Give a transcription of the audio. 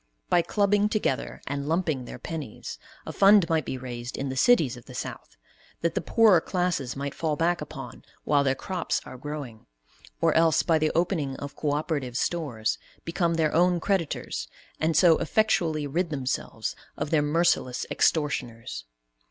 By clubbing together and lumping their pennies, a fund might be raised in the cities of the South that the poorer classes might fall back upon while their crops are growing; or else, by the opening of co operative stores, become their own creditors and so effectually rid themselves of their merciless extortioners.